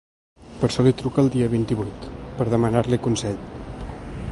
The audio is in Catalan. Per això li truca el dia vint-i-vuit, per demanar-li consell.